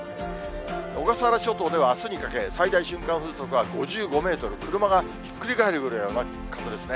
小笠原諸島ではあすにかけ、最大瞬間風速は５５メートル、車がひっくり返るくらいの風ですね。